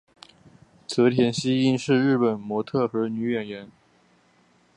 泽田汐音是日本模特儿和女演员。